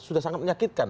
sudah sangat menyakitkan